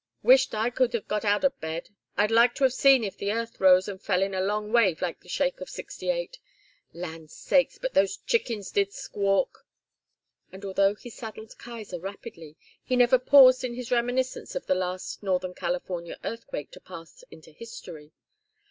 Wisht I could have got out of bed. I'd like to have seen if the earth rose and fell in a long wave like the shake of '68. Land's sakes, but those chickens did squawk." And although he saddled Kaiser rapidly, he never paused in his reminiscence of the last Northern California earthquake to pass into history.